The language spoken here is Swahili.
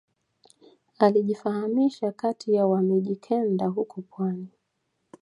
Alijifahamisha kati ya wa mijikenda huko pwani